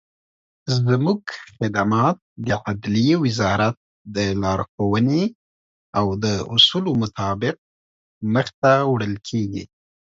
زموږخدمات دعدلیي وزارت دلارښووني او داصولو مطابق مخته وړل کیږي.